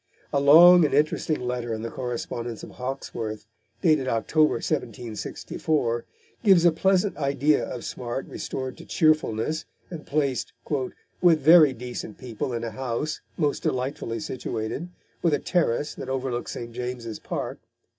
A long and interesting letter in the correspondence of Hawkesworth, dated October 1764, gives a pleasant idea of Smart restored to cheerfulness and placed "with very decent people in a house, most delightfully situated, with a terrace that overlooks St. James's Park."